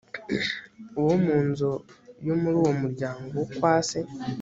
uwo mu nzu yo muri uwo muryango wo kwa se.